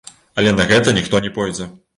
Але на гэта ніхто не пойдзе.